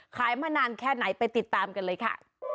มานานแค่ไหนไปติดตามกันเลยค่ะ